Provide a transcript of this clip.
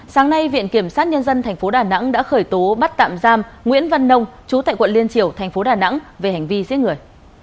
sáng nay viện kiểm sát nhân dân tp đà nẵng đã khởi tố bắt tạm giam nguyễn văn nông chú tại quận liên triều thành phố đà nẵng về hành vi giết người